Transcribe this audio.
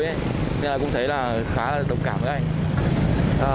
nên là cũng thấy là khá là độc cảm với anh